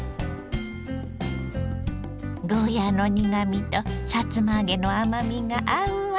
ゴーヤーの苦みとさつま揚げの甘みが合うわ。